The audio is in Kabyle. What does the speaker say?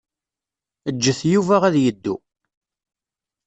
Ǧǧet Yuba ad yeddu.